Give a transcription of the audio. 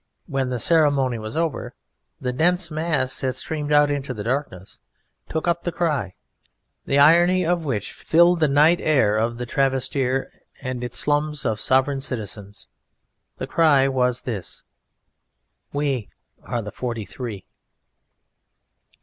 When the ceremony was over the dense mass that streamed out into the darkness took up the cry, the irony of which filled the night air of the Trastevere and its slums of sovereign citizens. The cry was this: "We are the Forty three!"